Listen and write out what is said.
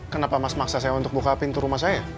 kenapa mas maksa saya untuk buka pintu rumah saya